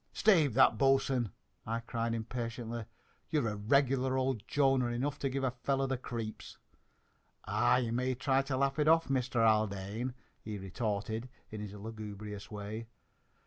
"Stave that, bo'sun!" I cried impatiently. "You're a regular old Jonah, and enough to give a fellow the creeps!" "Ah, you may try to laugh it off, Mister Haldane," he retorted in his lugubrious way.